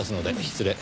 失礼。